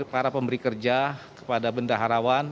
para pemberi kerja kepada benda harawan